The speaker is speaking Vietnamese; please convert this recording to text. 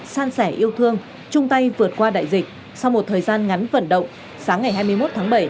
san sẻ yêu thương chung tay vượt qua đại dịch sau một thời gian ngắn vận động sáng ngày hai mươi một tháng bảy